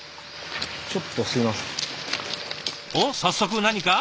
おっ早速何か？